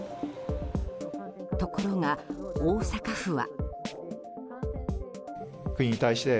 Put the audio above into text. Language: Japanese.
ところが、大阪府は。